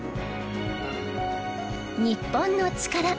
『日本のチカラ』